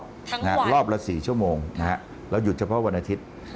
ทั้งวันครับและ๔ชั่วโมงนะครับแล้วหยุดเฉพาะวันอาทิตย์